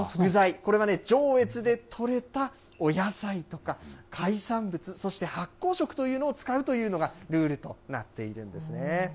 これは上越で取れたお野菜とか海産物、そして発酵食というのを使うというのがルールとなっているんですね。